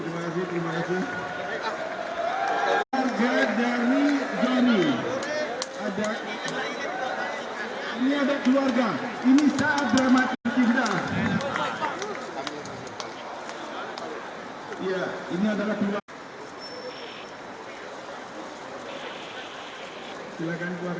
mohon berdiri pak menteri